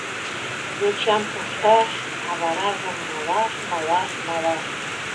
Йочам пушташ, а варажым малаш, малаш, малаш...